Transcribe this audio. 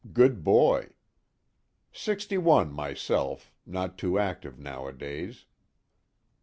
Good boy. Sixty one myself, not too active nowadays."